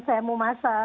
saya mau masak